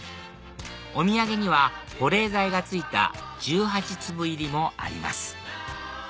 お土産には保冷剤が付いた１８粒入りもあります